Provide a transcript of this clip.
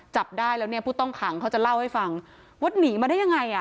จับได้แล้วเนี่ยผู้ต้องขังเขาจะเล่าให้ฟังว่าหนีมาได้ยังไงอ่ะ